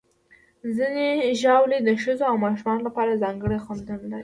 ځینې ژاولې د ښځو او ماشومانو لپاره ځانګړي خوندونه لري.